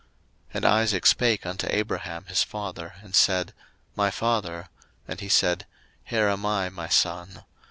01:022:007 And Isaac spake unto Abraham his father, and said, My father: and he said, Here am I, my son.